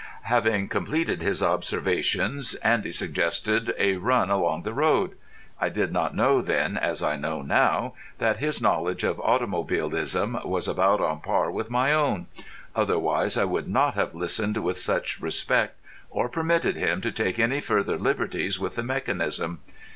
Having completed his observations, Andy suggested a run along the road. I did not know then, as I know now, that his knowledge of automobilism was about on a par with my own; otherwise I would not have listened with such respect or permitted him to take any further liberties with the mechanism.